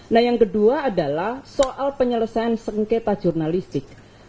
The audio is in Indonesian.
nah yang kedua adalah soal penyelesaian sengketa jurnalistik